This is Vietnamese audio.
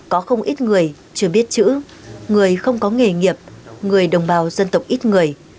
có không ít người chưa biết chữ người không có nghề nghiệp người đồng bào dân tộc ít người